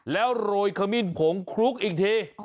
แล้วโรยขมิ้นผงคลุกอีกที